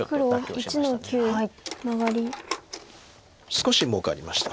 少しもうかりました。